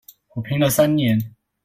我拼了三年